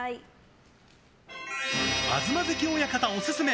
東関親方オススメ！